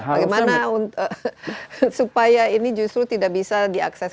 bagaimana supaya ini justru tidak bisa diakses